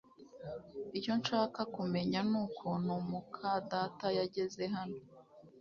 Icyo nshaka kumenya nukuntu muka data yageze hano